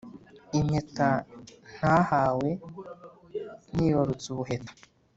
Impeta ntahawe nibarutse ubuheta